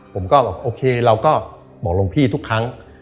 ผมก็บอกโอเคเราก็บอกหลวงพี่ทุกครั้ง